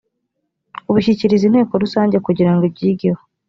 ubishyigikiriza inteko rusange kugirango ibyigeho